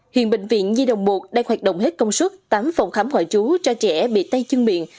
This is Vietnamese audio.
hiện bệnh viện di đồng một đang hoạt động hết công suất tám phòng khám hỏi chú cho trẻ bị tay chân miệng